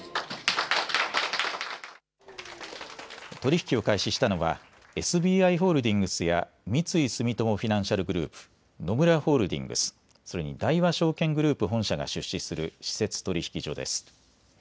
取り引きを開始したのはＳＢＩホールディングスや三井住友フィナンシャルグループ、野村ホールディングス、それに大和証券グループ本社が出資する私設取引所です。